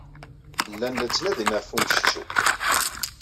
Llan la ttnadin ɣef ummecčew.